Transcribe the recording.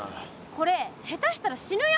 これ下手したら死ぬよ。